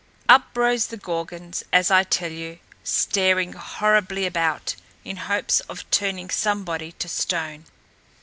Up rose the Gorgons, as I tell you, staring horribly about, in hopes of turning somebody to stone.